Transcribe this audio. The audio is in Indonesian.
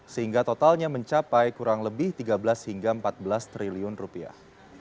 sehingga totalnya mencapai kurang lebih tiga belas hingga empat belas triliun rupiah